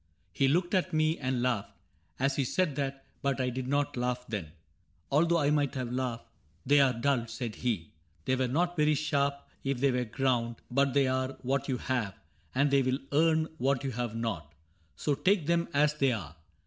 — He looked at me and laughed As he said that ; but I did not laugh then, Although I might have laughed. —* They arc dull,' said he; * They were not very sharp if they were ground ; But they are what you have, and they will earn What you have not. So take them as they are.